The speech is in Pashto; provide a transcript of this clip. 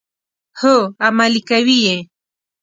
هو، عملي کوي یې.